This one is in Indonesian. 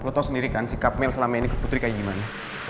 lo tau sendiri kan si kapmel selama ini ke putri kayak gimana